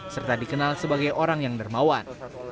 serta dikenal sebagai orang yang dermawan